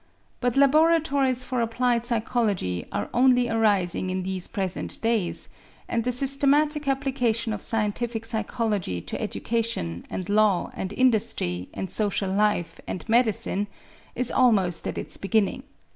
But laboratories for applied psychology are only arising in these present days, and the systematic application of scientific psychology to education and law and industry and social life and medicine is almost at its beginning.